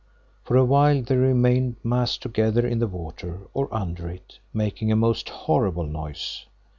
For a while they remained massed together in the water, or under it, making a most horrible noise.